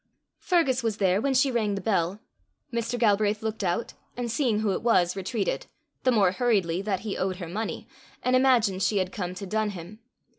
Fergus was there when she rang the bell. Mr. Galbraith looked out, and seeing who it was, retreated the more hurriedly that he owed her money, and imagined she had come to dun him.